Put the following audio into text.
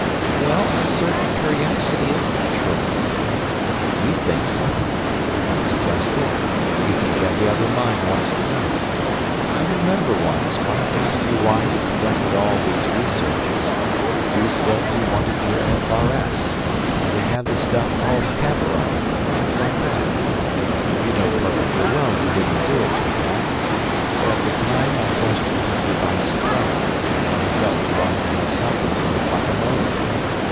"Well, a certain curiosity is natural—" "You think so. That's just it. You think every other mind wants to know. I remember once, when I asked you why you conducted all these researches, you said you wanted your F.R.S., and to have the stuff called Cavorite, and things like that. You know perfectly well you didn't do it for that; but at the time my question took you by surprise, and you felt you ought to have something to look like a motive.